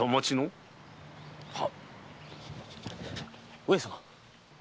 上様。